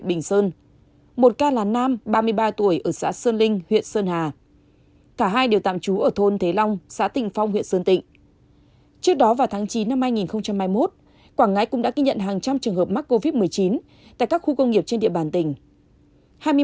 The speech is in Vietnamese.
từ ngày hai mươi sáu tháng chín năm hai nghìn hai mươi một quảng ngãi cũng đã ghi nhận hàng trăm trường hợp mắc covid một mươi chín tại các khu công nghiệp trên địa bàn tỉnh